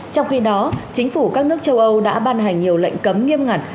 trong khi đó chính phủ các nước châu âu đã ban hành nhiều lệnh cấm nghiêm ngặt